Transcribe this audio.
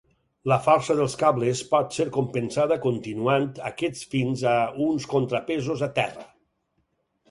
La força dels cables pot ser compensada continuant aquests fins a uns contrapesos a terra.